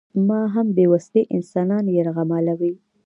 یا هم بې وسلې انسانان یرغمالوي.